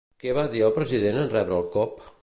Què va dir el president en rebre el cop?